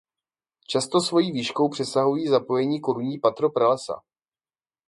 Často svojí výškou přesahují zapojené korunní patro pralesa.